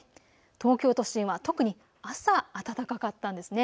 東京都心は特に朝、暖かかったんですね。